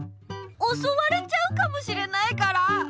おそわれちゃうかもしれないから！